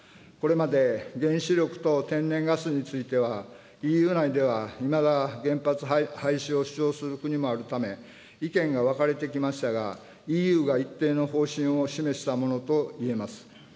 これまで原子力と天然ガスについては、ＥＵ内ではいまだ原発廃止を主張する国もあるため、意見が分かれてきましたが、ＥＵが一定の方針を示したものといえます。